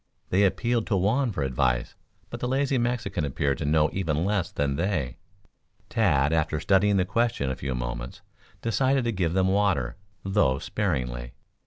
They appealed to Juan for advice, but the lazy Mexican appeared to know even less than they. Tad, after studying the question a few moments, decided to give them water, though sparingly.